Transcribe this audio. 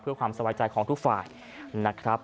เพื่อความสบายใจของทุกฝ่ายนะครับ